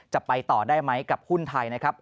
จะไปต่อได้ไหมกับหุ้นไทยนะครับ